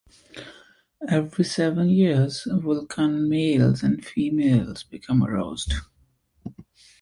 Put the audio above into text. Every seven years, Vulcan males and females become aroused.